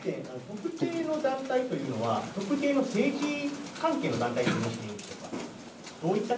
特定の団体というのは特定の政治関係の団体でしょうか。